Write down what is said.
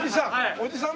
おじさん！